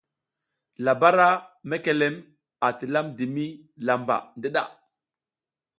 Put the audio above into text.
Labara mekeme a tilamdimi lamba ndiɗa.